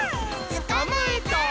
「つかまえた！」